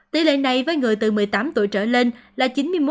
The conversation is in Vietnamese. tỷ lệ này với người từ một mươi tám tuổi trở lên là chín mươi một bốn mươi hai